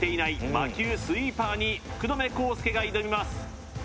魔球スイーパーに福留孝介が挑みます